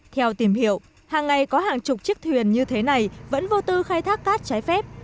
theo tìm hiểu hàng ngày có hàng chục chiếc thuyền như thế này vẫn vô tư khai thác cát trái phép